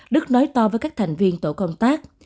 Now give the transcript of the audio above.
đức nói to với các thành viên tổ công tác